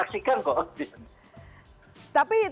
kita sudah menyaksikan kok